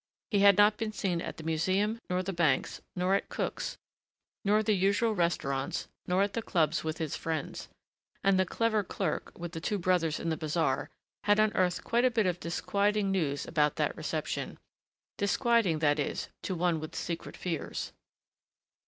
He had not been seen at the Museum nor the banks, nor at Cook's, nor the usual restaurants, nor at the clubs with his friends. And the clever clerk with the two brothers in the bazaar had unearthed quite a bit of disquieting news about that reception disquieting, that is, to one with secret fears.